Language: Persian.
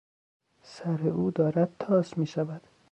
سر او دارد تاس میشود.